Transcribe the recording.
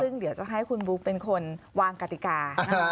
ซึ่งเดี๋ยวจะให้คุณบุ๊กเป็นคนวางกติกา